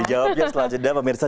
dijawabnya selanjutnya pak mirsa